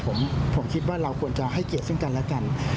ผมคิดว่าเราควรจะให้เกียรติซึ่งกันและกัน